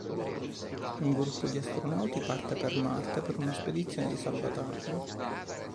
Un gruppo di astronauti parte per Marte per una spedizione di salvataggio.